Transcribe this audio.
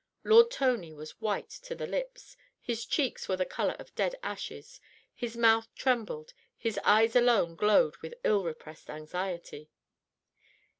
Lord Tony was white to the lips, his cheeks were the colour of dead ashes, his mouth trembled, his eyes alone glowed with ill repressed anxiety.